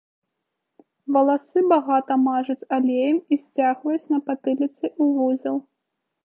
Валасы багата мажуць алеем і сцягваюць на патыліцы ў вузел.